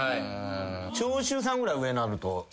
長州さんぐらい上なると。